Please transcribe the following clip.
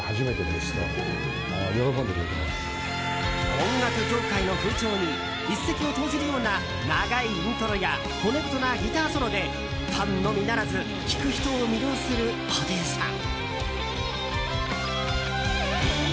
音楽業界の風潮に一石を投じるような長いイントロや骨太なギターソロでファンのみならず聴く人を魅了する布袋さん。